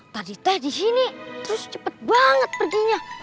tadi teh disini terus cepet banget perginya